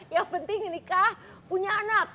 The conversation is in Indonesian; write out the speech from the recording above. yang penting nikah punya anak